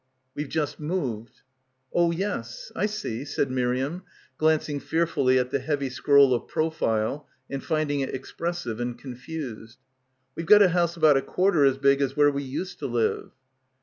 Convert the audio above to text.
"We've just moved." "Oh yes, I see," said Miriam, glancing fear fully at the heavy scroll of profile and finding it expressive and confused. "We've got a house about a quarter as big as where we used to live."